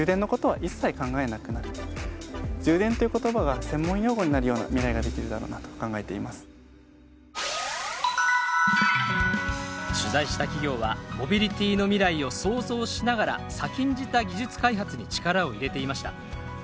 ２０３０年には取材した企業はモビリティの未来を想像しながら先んじた技術開発に力を入れていました。